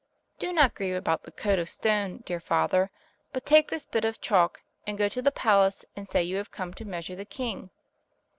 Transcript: "Do not grieve about the coat of stone, dear father; but take this bit of chalk, and go to the palace and say you have come to measure the king."